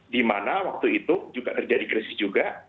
dimana waktu itu juga terjadi krisis juga